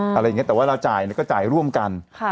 อะไรอย่างนี้แต่ว่าเราจ่ายก็จ่ายร่วมกัน